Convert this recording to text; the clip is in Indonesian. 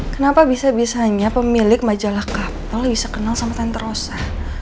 kenapa bisa bisanya pemilik majalah cover bisa kenal sama tante rosa